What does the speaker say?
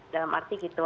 dalam arti gitu